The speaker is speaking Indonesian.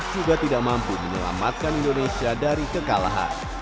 juga tidak mampu menyelamatkan indonesia dari kekalahan